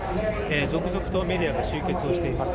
続々とメディアが集結をしています。